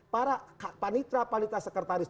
para panitra panitra sekretaris